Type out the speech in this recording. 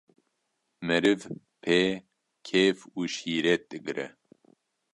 meriv pê kêf û şîret digre.